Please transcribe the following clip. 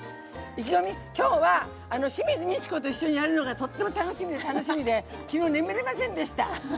きょうは清水ミチコと一緒にやるのがとっても楽しみで楽しみで昨日眠れませんでした。